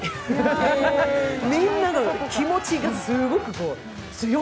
みんなの気持ちがすごく強い。